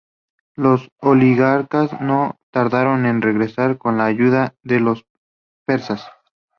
Los oligarcas no tardaron en regresar con la ayuda de los persas.